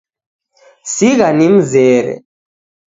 Sigha nimzere